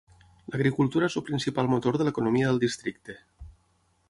L'agricultura és el principal motor de l'economia del districte.